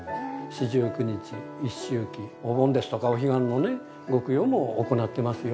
四十九日一周忌お盆ですとかお彼岸のねご供養も行ってますよ。